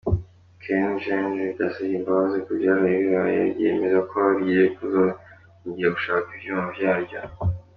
KenGen ryasavye imbabazi ku vyaraye bibaye, ryiyemeza ko rigiye kuzokingira gushasha ivyuma vyaryo.